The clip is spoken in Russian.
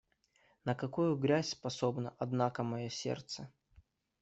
На какую грязь способно, однако, мое сердце!